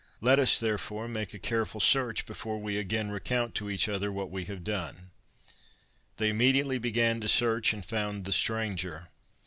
Let us, therefore, make a careful search before we again recount to each other what we have done.' They immediately began to search, and found the stranger.